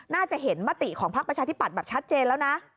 น่าจะเห็นมติของพักประชาธิปัตย์แบบชัดเจนแล้วนะ